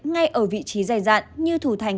ngay ở vị trí dày dạn như thủ thành